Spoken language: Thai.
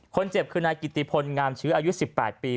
คนเจ็บคือนายกิติพลงามชื้ออายุ๑๘ปี